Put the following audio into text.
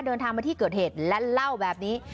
เดินทางมาที่เกิดเหตุและเล่าแบบนี้